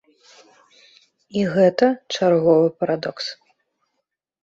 І гэта чарговы парадокс.